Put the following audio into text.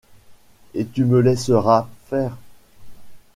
Et tu me laisseras faire ?